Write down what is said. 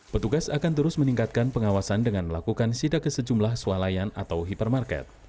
petugas akan terus meningkatkan pengawasan dengan melakukan sida ke sejumlah sualayan atau hipermarket